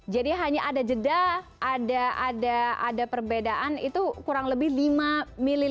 jadi hanya ada jeda ada perbedaan itu kurang lebih lima ml ya